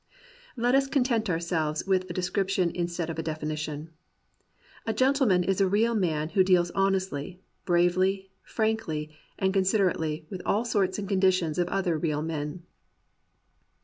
Let us content ourselves with a description in stead of a definition. A gentleman is a real man who deals honestly, bravely, frankly, and consider ately with all sorts and conditions of other real men.